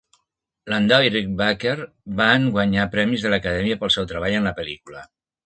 Landau i Rick Baker van guanyar premis de l'Acadèmia pel seu treball en la pel·lícula.